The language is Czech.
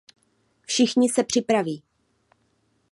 Všichni se připraví.